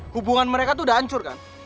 hubungan mereka itu udah hancur kan